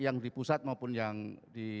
yang di pusat maupun yang di